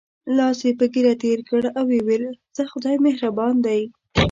لاس یې په ږیره تېر کړ او وویل: ځه خدای مهربان دی.